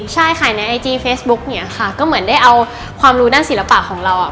ใช่ขายในไอจีเฟซบุ๊กเนี่ยค่ะก็เหมือนได้เอาความรู้ด้านศิลปะของเราอ่ะ